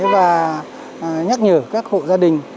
và nhắc nhở các hộ gia đình